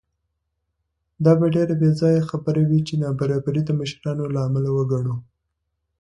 دا به ډېره بېځایه خبره وي چې نابرابري د مشرانو له امله وګڼو.